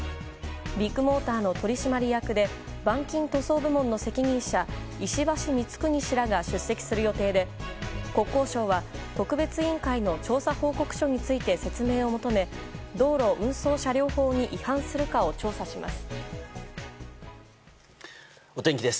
ビッグモーターの取締役で鈑金塗装部門の責任者石橋光国氏らが出席する予定で国交省は特別委員会の調査報告書について説明を求め道路運送車両法に違反するかを調査します。